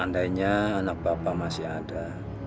andainya anak bapak masih ada